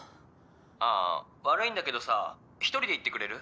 ああ悪いんだけどさ１人で行ってくれる？